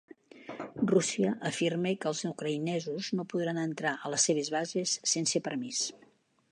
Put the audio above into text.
Rússia afirma que els ucraïnesos no podran entrar a les seves bases sense permís.